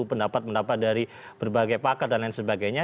pendapat pendapat dari berbagai pakar dan lain sebagainya